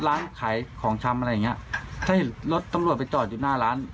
ร้านขายของชำอะไรอย่างเงี้ยถ้าเห็นรถตำรวจไปจอดอยู่หน้าร้าน